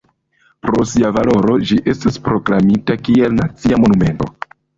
Pro sia valoro ĝi estas proklamita kiel nacia monumento.